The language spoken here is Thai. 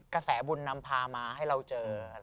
กระแสบุญนำพามาให้เราเจอ